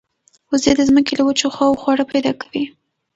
وزې د زمکې له وچو خواوو خواړه پیدا کوي